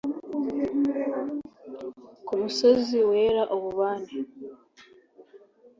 ku musozi wera ububani